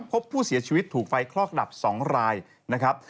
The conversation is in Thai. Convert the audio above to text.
พบผู้เสียชีวิตถูกไฟคลอกดับ๒รายนะครับ